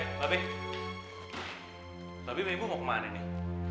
eh babi babi ibu mau kemana nih